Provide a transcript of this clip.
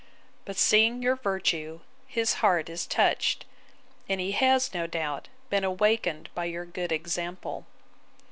But seeing your virtue, his heart is touched; and he has, no doubt, been awakened by your good example.